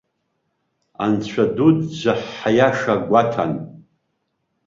Анцәа дуӡӡа, ҳиаша гәаҭан.